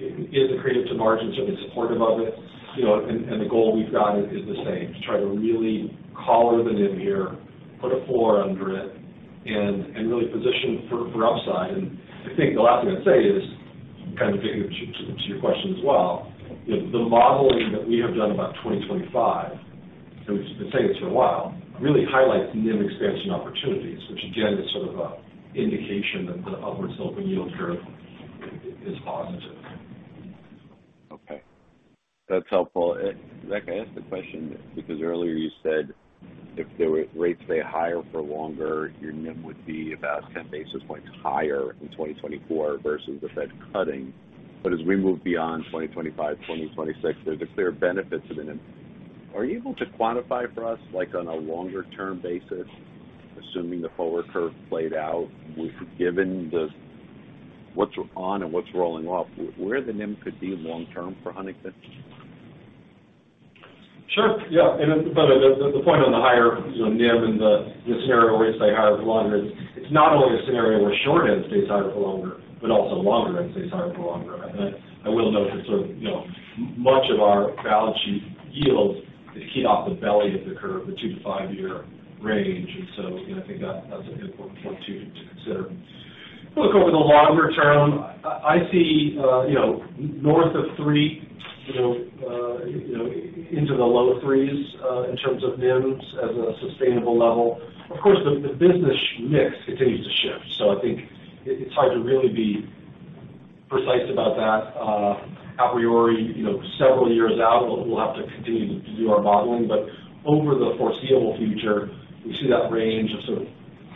if we can find it, is accretive to margins and we're supportive of it. You know, and the goal we've got is the same, to try to really collar the NIM here, put a floor under it, and really position for upside. I think the last thing I'd say is, kind of getting to, to your question as well, the modeling that we have done about 2025, and we've been saying it for a while, really highlights NIM expansion opportunities, which again, is sort of a indication that the upward sloping yield curve is positive. Okay. That's helpful. Zach, I ask the question because earlier you said if the rates stay higher for longer, your NIM would be about 10 basis points higher in 2024 versus the Fed cutting. But as we move beyond 2025, 2026, there's a clear benefit to the NIM. Are you able to quantify for us, like on a longer-term basis, assuming the forward curve played out, we've given the what's on and what's rolling off, where the NIM could be long term for Huntington? Sure. Yeah, but the point on the higher, you know, NIM and the scenario where rates stay higher for longer, it's not only a scenario where short end stays higher for longer, but also longer end stays higher for longer. I will note that, so you know, much of our balance sheet yields key off the belly of the curve, the two to five-year range. And so I think that that's an important point to consider. Look, over the longer term, I see, you know, north of three, you know, into the low threes, in terms of NIMs as a sustainable level. Of course, the business mix continues to shift, so I think it's hard to really be precise about that, a priori, you know, several years out. We'll have to continue to do our modeling. But over the foreseeable future, we see that range of sort of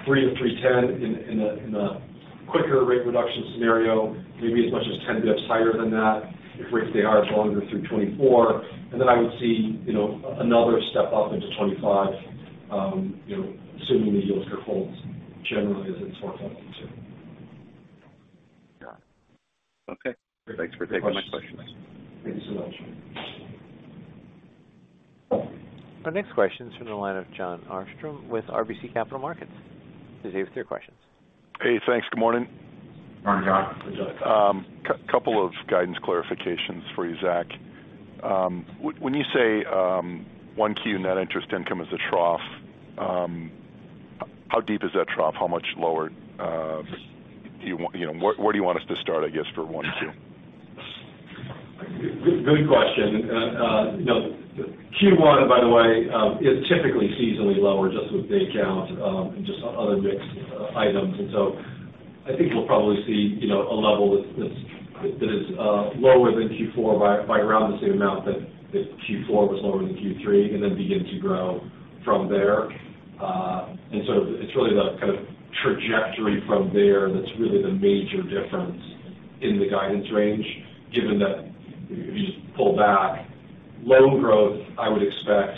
3-3.10 in the quicker rate reduction scenario, maybe as much as 10 bps higher than that if rates stay higher, longer through 2024. And then I would see, you know, another step up into 2025... you know, assuming the yield curve holds generally as it's forecast to. Okay, thanks for taking my question. Thank you so much. Our next question is from the line of Jon Arfstrom with RBC Capital Markets. Please proceed with your questions. Hey, thanks. Good morning. Morning, Jon. Couple of guidance clarifications for you, Zach. When you say, one key in net interest income is a trough, how deep is that trough? How much lower, do you want— You know, where, where do you want us to start, I guess, for one, two? Good, good question. You know, Q1, by the way, is typically seasonally lower just with day count, and just other mixed items. And so I think you'll probably see, you know, a level that's, that's, that is, lower than Q4 by, by around the same amount that, that Q4 was lower than Q3, and then begin to grow from there. And so it's really the kind of trajectory from there that's really the major difference in the guidance range, given that if you just pull back, loan growth, I would expect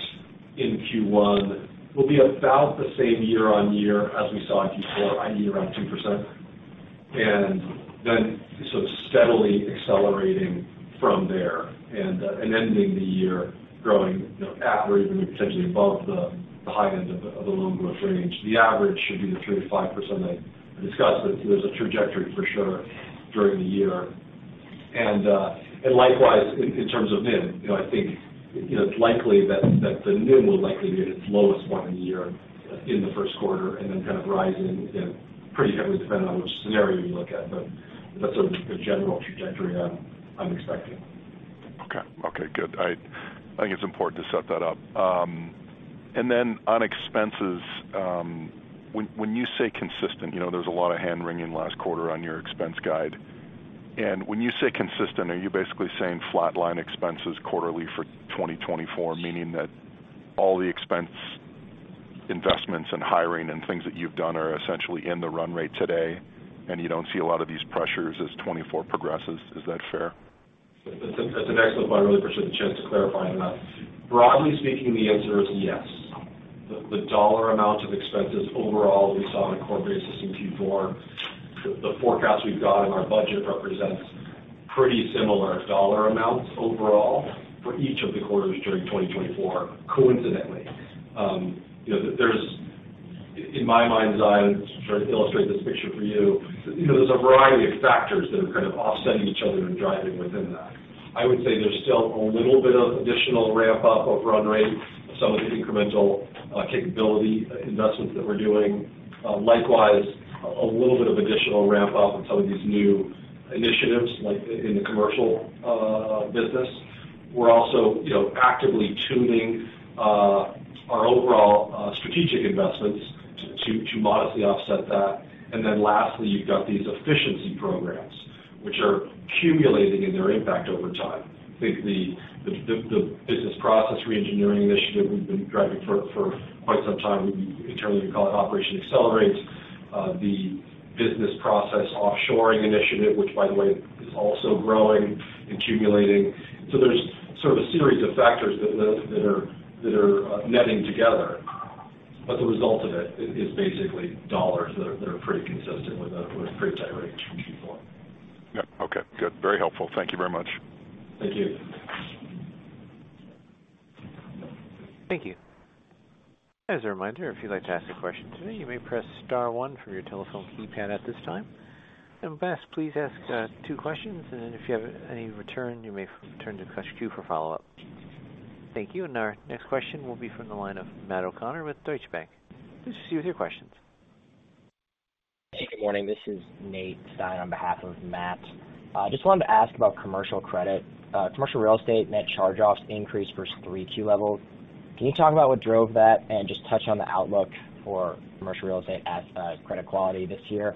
in Q1, will be about the same year-on-year as we saw in Q4, i.e., around 2%. And then sort of steadily accelerating from there and, and ending the year growing, you know, at or even potentially above the, the high end of the, of the loan growth range. The average should be the 3%-5% I discussed. There's a trajectory for sure during the year. And likewise, in terms of NIM, you know, I think, you know, it's likely that the NIM will likely be at its lowest point in the year in the first quarter, and then kind of rising, you know, pretty heavily depending on which scenario you look at. But that's the general trajectory I'm expecting. Okay. Okay, good. I think it's important to set that up. And then on expenses, when you say consistent, you know, there was a lot of hand-wringing last quarter on your expense guide. And when you say consistent, are you basically saying flatline expenses quarterly for 2024, meaning that all the expense investments and hiring and things that you've done are essentially in the run rate today, and you don't see a lot of these pressures as 2024 progresses? Is that fair? That's an excellent one. I really appreciate the chance to clarify on that. Broadly speaking, the answer is yes. The dollar amount of expenses overall we saw on a corporate basis in Q4, the forecast we've got in our budget represents pretty similar dollar amounts overall for each of the quarters during 2024, coincidentally. You know, there's, in my mind's eye, to try to illustrate this picture for you, you know, there's a variety of factors that are kind of offsetting each other and driving within that. I would say there's still a little bit of additional ramp-up over run rate, some of the incremental capability investments that we're doing. Likewise, a little bit of additional ramp up in some of these new initiatives, like in the commercial business. We're also, you know, actively tuning our overall strategic investments to modestly offset that. And then lastly, you've got these efficiency programs, which are accumulating in their impact over time. I think the business process reengineering initiative we've been driving for quite some time, we internally call it Operation Accelerate. The business process offshoring initiative, which, by the way, is also growing and accumulating. So there's sort of a series of factors that are netting together, but the result of it is basically dollars that are pretty consistent with a pretty tight range in Q4. Yeah. Okay, good. Very helpful. Thank you very much. Thank you. Thank you. As a reminder, if you'd like to ask a question today, you may press star one from your telephone keypad at this time. And best, please ask two questions, and then if you have any return, you may return to question two for follow-up. Thank you. And our next question will be from the line of Matt O'Connor with Deutsche Bank. Please see with your questions. Hey, good morning. This is Nate Stein on behalf of Matt. I just wanted to ask about commercial credit. Commercial real estate net charge-offs increased versus 3Q levels. Can you talk about what drove that and just touch on the outlook for commercial real estate as credit quality this year?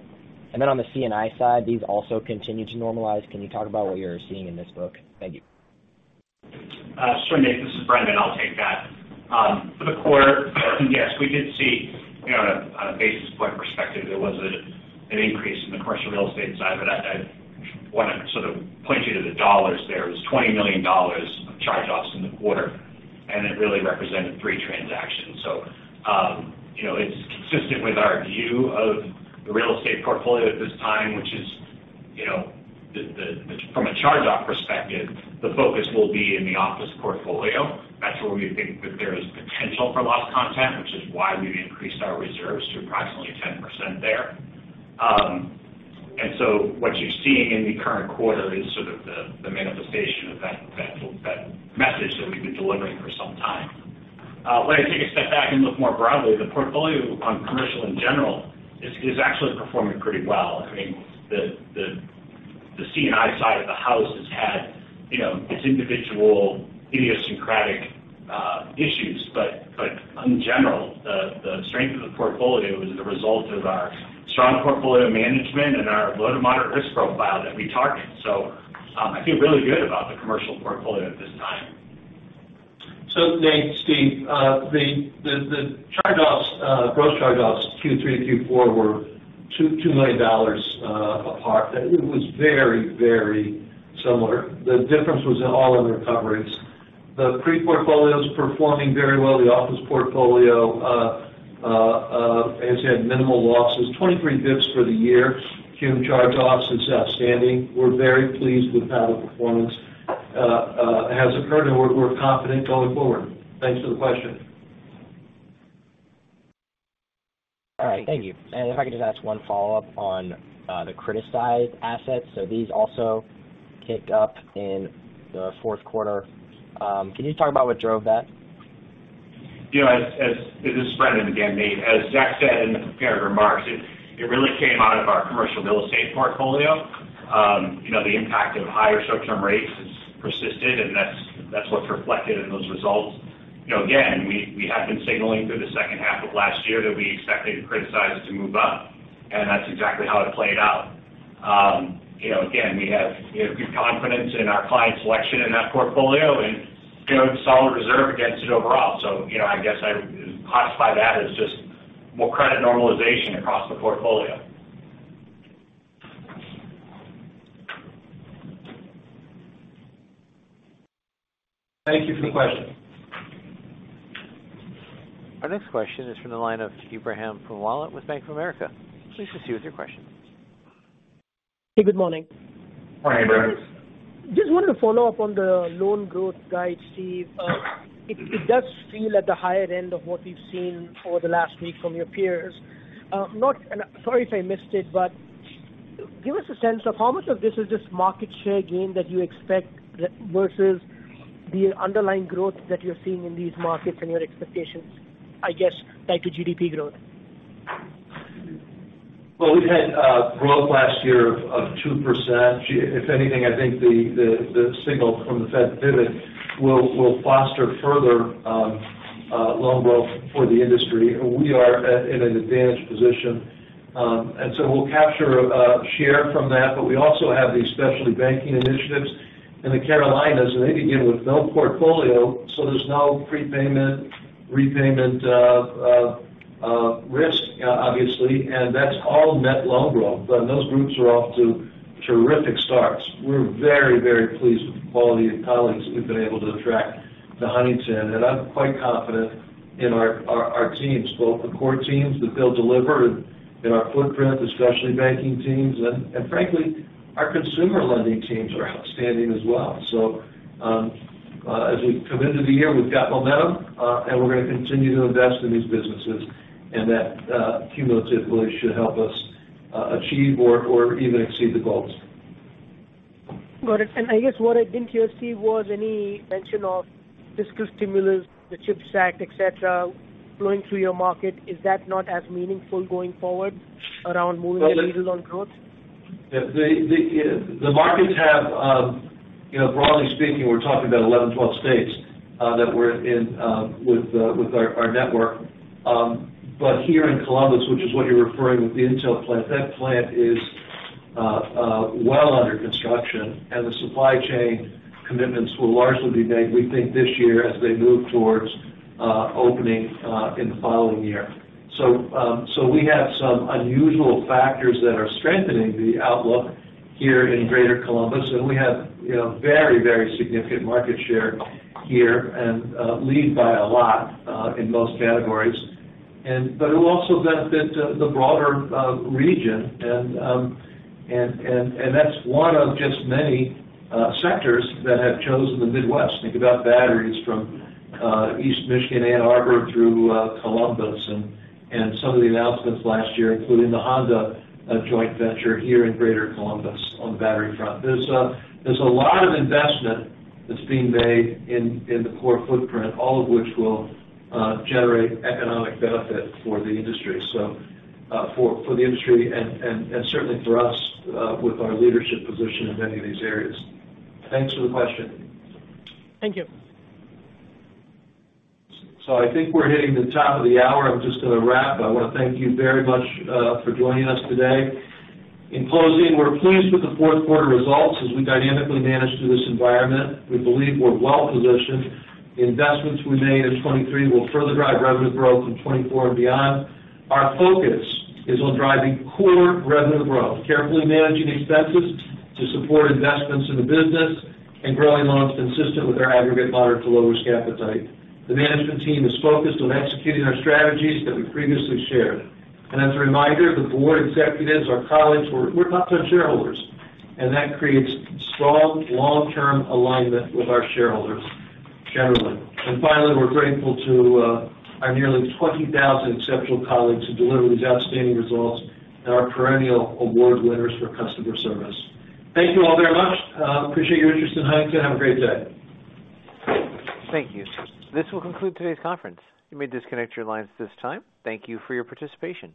And then on the C&I side, these also continue to normalize. Can you talk about what you're seeing in this book? Thank you. Sure, Nate, this is Brendan. I'll take that. For the quarter, yes, we did see, you know, on a basis point perspective, there was an increase in the commercial real estate side, but I want to sort of point you to the dollars. There was $20 million of charge-offs in the quarter, and it really represented three transactions. So, you know, it's consistent with our view of the real estate portfolio at this time, which is, you know, the. From a charge-off perspective, the focus will be in the office portfolio. That's where we think that there is potential for loss content, which is why we've increased our reserves to approximately 10% there. And so what you're seeing in the current quarter is sort of the manifestation of that message that we've been delivering for some time. When I take a step back and look more broadly, the portfolio on commercial in general is actually performing pretty well. I mean, the C&I side of the house has had, you know, its individual idiosyncratic issues, but in general, the strength of the portfolio is the result of our strong portfolio management and our low to moderate risk profile that we target. So, I feel really good about the commercial portfolio at this time. So Nate, Steve, the charge-off... Gross charge-offs, Q3 to Q4 were $2 million apart. And it was very, very similar. The difference was all in recoveries. The CRE portfolio is performing very well. The office portfolio has had minimal losses, 23 basis points for the year. Cumulative charge-offs, it's outstanding. We're very pleased with that performance. As occurred, and we're confident going forward. Thanks for the question. All right. Thank you. And if I could just ask one follow-up on the criticized assets. So these also kicked up in the fourth quarter. Can you talk about what drove that? You know, as this is Brendan again, Nate. As Zach said in the prepared remarks, it really came out of our commercial real estate portfolio. You know, the impact of higher short-term rates has persisted, and that's what's reflected in those results. You know, again, we have been signaling through the second half of last year that we expected criticized to move up, and that's exactly how it played out. You know, again, we have good confidence in our client selection in that portfolio and solid reserve against it overall. So, you know, I guess I would classify that as just more credit normalization across the portfolio. Thank you for the question. Our next question is from the line of Ibrahim Poonawala with Bank of America. Please proceed with your question. Hey, good morning. Morning, Ibrahim. Just wanted to follow up on the loan growth guide, Steve. It does feel at the higher end of what we've seen over the last week from your peers. Sorry if I missed it, but give us a sense of how much of this is just market share gain that you expect versus the underlying growth that you're seeing in these markets and your expectations, I guess, tied to GDP growth? Well, we've had growth last year of 2%. If anything, I think the signal from the Fed pivot will foster further loan growth for the industry. We are in an advantaged position. And so we'll capture share from that, but we also have these specialty banking initiatives in the Carolinas, and they begin with no portfolio, so there's no prepayment, repayment risk, obviously, and that's all net loan growth. And those groups are off to terrific starts. We're very, very pleased with the quality of colleagues we've been able to attract to Huntington, and I'm quite confident in our teams, both the core teams, that they'll deliver in our footprint, the specialty banking teams, and frankly, our consumer lending teams are outstanding as well. As we come into the year, we've got momentum, and we're going to continue to invest in these businesses, and that cumulatively should help us achieve or even exceed the goals. Got it. I guess what I didn't hear, Steve, was any mention of fiscal stimulus, the ChipStack, et cetera, flowing through your market. Is that not as meaningful going forward around moving the needle on growth? The markets have, you know, broadly speaking, we're talking about 11, 12 states that we're in with our network. But here in Columbus, which is what you're referring with the Intel plant, that plant is well under construction, and the supply chain commitments will largely be made, we think, this year as they move towards opening in the following year. So, so we have some unusual factors that are strengthening the outlook here in Greater Columbus, and we have, you know, very, very significant market share here and lead by a lot in most categories. But it will also benefit the broader region. And that's one of just many sectors that have chosen the Midwest. Think about batteries from East Michigan, Ann Arbor, through Columbus and some of the announcements last year, including the Honda joint venture here in Greater Columbus on the battery front. There's a lot of investment that's being made in the core footprint, all of which will generate economic benefit for the industry. So, for the industry and certainly for us with our leadership position in many of these areas. Thanks for the question. Thank you. I think we're hitting the top of the hour. I'm just going to wrap. I want to thank you very much for joining us today. In closing, we're pleased with the fourth quarter results as we dynamically manage through this environment. We believe we're well positioned. The investments we made in 2023 will further drive revenue growth in 2024 and beyond. Our focus is on driving core revenue growth, carefully managing expenses to support investments in the business, and growing loans consistent with our aggregate moderate-to-lower risk appetite. The management team is focused on executing our strategies that we previously shared. As a reminder, the board executives, our colleagues, we're top 10 shareholders, and that creates strong, long-term alignment with our shareholders generally. And finally, we're grateful to our nearly 20,000 exceptional colleagues who delivered these outstanding results and our perennial award winners for customer service. Thank you all very much. Appreciate your interest in Huntington. Have a great day. Thank you. This will conclude today's conference. You may disconnect your lines at this time. Thank you for your participation.